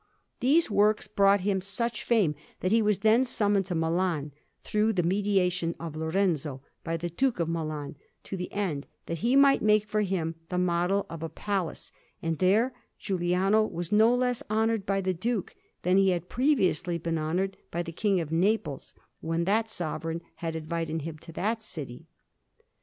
These works brought him such fame, that he was then summoned to Milan, through the mediation of Lorenzo, by the Duke of Milan, to the end that he might make for him the model of a palace; and there Giuliano was no less honoured by the Duke than he had previously been honoured by the King of Naples, when that Sovereign had invited him to that city.